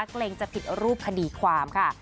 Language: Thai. เกรงจะผิดรูปคดีความค่ะ